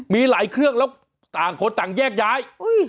มีหลายเครื่องแล้วต่างคนต่างแยกย้าย